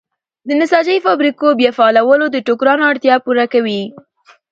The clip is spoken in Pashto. د نساجۍ فابریکو بیا فعالول د ټوکرانو اړتیا پوره کوي.